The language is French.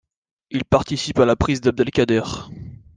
Il participe à la prise d'Abdel Kader.